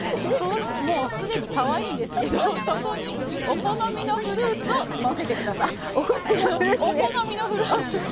すでにかわいいんですけどそこに、お好みのフルーツをのせてください。